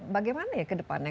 bagaimana ya ke depannya